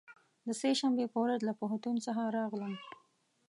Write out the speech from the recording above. د سه شنبې په ورځ له پوهنتون څخه راغلم.